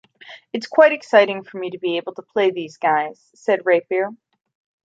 "It's quite exciting for me to be able to play these guys," said Raper.